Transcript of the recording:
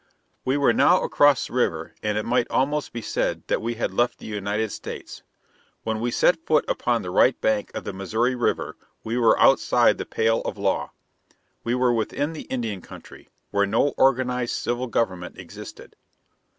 We were now across the river, and it might almost be said that we had left the United States. When we set foot upon the right bank of the Missouri River we were outside the pale of law. We were within the Indian country, where no organized civil government existed.